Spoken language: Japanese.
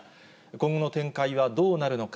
今後の展開はどうなるのか。